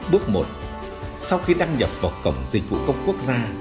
bước một sau khi đăng nhập vào cổng dịch vụ công quốc gia